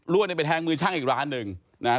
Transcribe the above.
ลวดเนี่ยไปแทงมือช่างอีกร้านหนึ่งนะฮะ